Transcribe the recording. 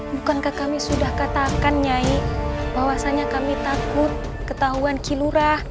bukankah kami sudah katakan nyanyi bahwasannya kami takut ketahuan kilurah